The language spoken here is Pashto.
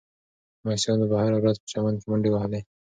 لمسیانو به هره ورځ په چمن کې منډې وهلې.